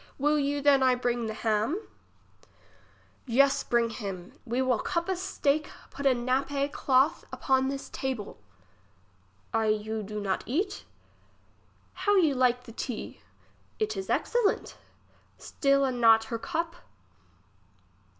Will you than I bring the ham ? Yes, bring him, we will cup a steak put a nappe clothe upon this table. I you do not eat ? How you like the tea. It is excellent. Still a not her cup.